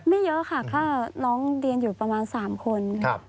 เยอะค่ะก็ร้องเรียนอยู่ประมาณ๓คน